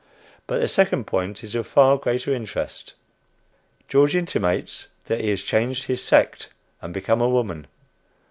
But the second point is of far greater interest. George intimates that he has changed his "sect," and become a woman!